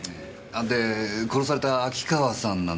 で殺された秋川さんなんですけど。